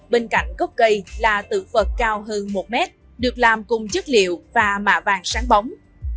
bên cạnh gốc cây là tượng phật cao hơn một mét được làm cùng chất liệu và mạ vàng sáng bóng